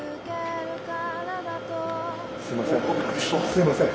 すいません。